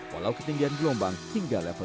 walau ketinggian gelombang hingga level